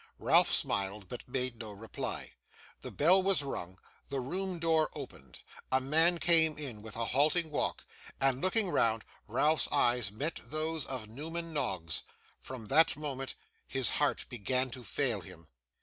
Ralph smiled, but made no reply. The bell was rung; the room door opened; a man came in, with a halting walk; and, looking round, Ralph's eyes met those of Newman Noggs. From that moment, his heart began to fail him.